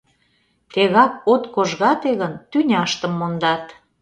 — Тегак от кожгате гын, тӱняштым мондат.